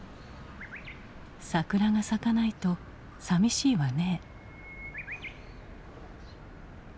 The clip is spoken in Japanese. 「桜が咲かないとさみしいわね」。